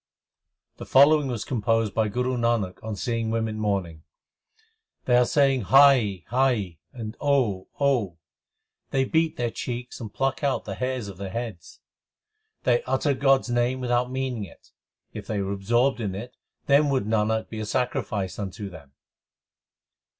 The following was composed by Guru Nanak on seeing women mourning : They are saying Hai hai ! and Oh Oh !; They beat their cheeks and pluck out the hairs of their heads ; They utter God s name l without meaning it : if they were absorbed in it, Then would Nanak be a sacrifice unto them.